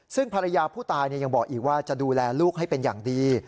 ซึ่งภรรยาผู้ตายยังบอกอีกว่าจะดูแลลูกให้เป็นอย่างดี